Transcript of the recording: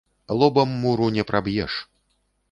Лобам муру не праб’еш